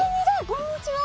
こんにちは。